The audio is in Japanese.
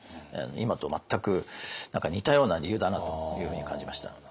今と全く似たような理由だなというふうに感じました。